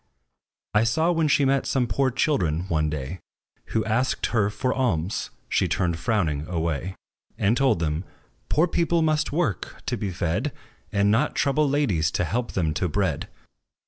I saw, when she met some poor children one day, Who asked her for alms, she turned frowning away; And told them, "Poor people must work, to be fed, And not trouble ladies, to help them to bread."